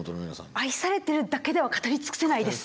愛されてるだけでは語り尽くせないです。